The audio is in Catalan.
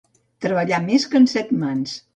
Treballar més que en Set-mans.